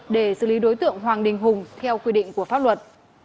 để xử lý đối tượng hoàng đình hùng theo quy định của pháp luật